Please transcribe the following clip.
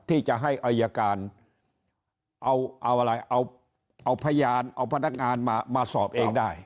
ที่จะให้อายการเอาอะไรเอาพยานเอาพนักงานมาสอบเองได้